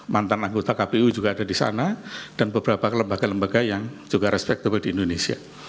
mantan anggota kpu juga ada di sana dan beberapa lembaga lembaga yang juga respectable di indonesia